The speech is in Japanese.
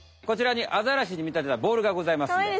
こちらにアザラシに見たてたボールがございます。